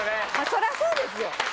そりゃそうですよ。